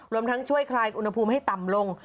รวมทั้งช่วยคลายอุณหภูมิให้ต่ำลง